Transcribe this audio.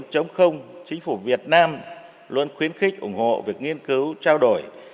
chính phủ việt nam luôn khuyến khích ủng hộ việc nghiên cứu trao đổi